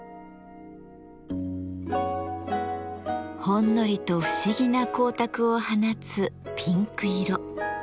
ほんのりと不思議な光沢を放つピンク色。